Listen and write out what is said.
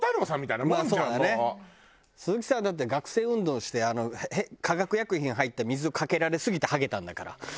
鈴木さんはだって学生運動して化学薬品入った水をかけられすぎてはげたんだから。